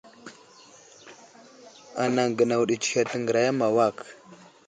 Anaŋ gənaw ɗi tsəhed təŋgəraya ma awak.